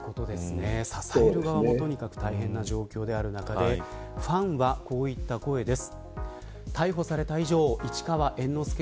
支える側も大変な状況の中でファンはこういった声です。